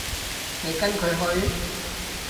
你跟佢去？